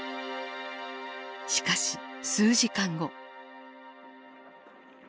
しかし数時間後。